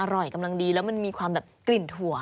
อร่อยกำลังดีแล้วมีความกลิ่นถั่ว